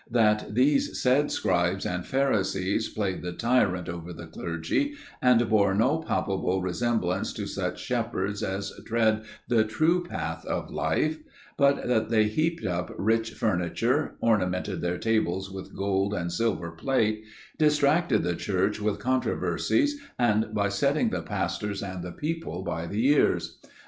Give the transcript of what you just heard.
That these said scribes and pharisees played the tyrant over the clergy, and bore no palpable resemblance to such shepherds as tread the true path of life; but that they heaped up rich furniture, ornamented their tables with gold and silver plate, distracted the Church with controversies and by setting the pastors and the people by the ears.